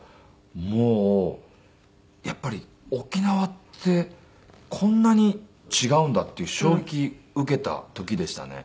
もうやっぱり沖縄ってこんなに違うんだっていう衝撃受けた時でしたね。